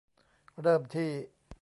เริ่มที่